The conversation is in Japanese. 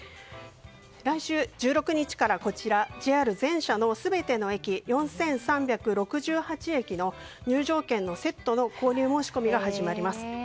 来週１６日からＪＲ全社の全ての駅４３６８駅の入場券のセットの購入申し込みが始まります。